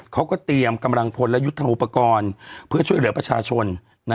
เขาก็เตรียมกำลังพลและยุทธอุปกรณ์เพื่อช่วยเหลือประชาชน